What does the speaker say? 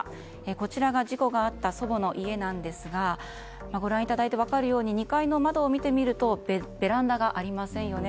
こちらが事故があった祖母の家なんですがご覧いただいて分かるように２階の窓を見てみるとベランダがありませんよね。